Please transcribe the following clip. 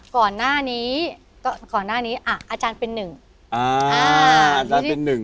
ก่อนหน้านี้ก็ก่อนหน้านี้อ่ะอาจารย์เป็นหนึ่งอ่าอ่าอาจารย์เป็นหนึ่ง